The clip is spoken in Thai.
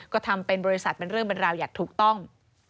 ก็ทำเป็นบริษัทเป็นเรื่องเป็นราวอย่างถูกต้อง